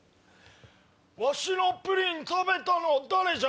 わしのプリン食べたの誰じゃ？